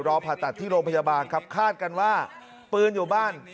ผ่าตัดที่โรงพยาบาลครับคาดกันว่าปืนอยู่บ้าน